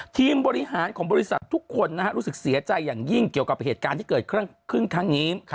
ทีมบริหารของบริษัททุกคนรู้สึกเสียใจอย่างยิ่งเกี่ยวกับเหตุการณ์ที่เกิดขึ้นครั้งนี้